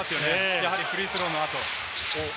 やはりフリースローなど。